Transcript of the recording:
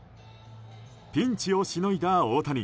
ピンチをしのいだ大谷。